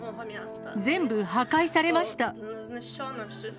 全部破壊されました。